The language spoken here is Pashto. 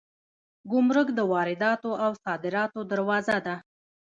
ګمرک د وارداتو او صادراتو دروازه ده